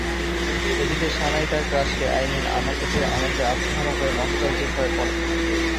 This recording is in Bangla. এদিকে সানাই তার ক্রাশকে আই মিন আমাকে পেয়ে আনন্দে আত্মহারা হয়ে নস্টালজিক হয়ে পড়ে।